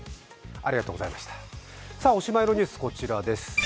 おしまいのニュースこちらです。